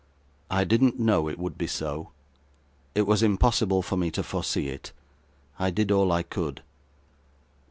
'I didn't know it would be so; it was impossible for me to foresee it. I did all I could.